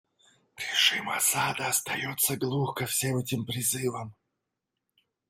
Режим Асада остается глух ко всем этим призывам.